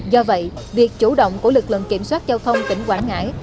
do vậy việc chủ động của lực lượng kiểm soát giao thông tỉnh quảng ngãi